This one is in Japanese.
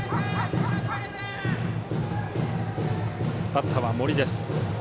バッターは森です。